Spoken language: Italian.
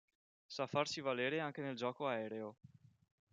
Sa farsi valere anche nel gioco aereo.